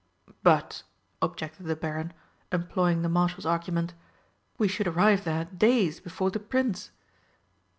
"But," objected the Baron, employing the Marshal's argument, "we should arrive there days before the Prince."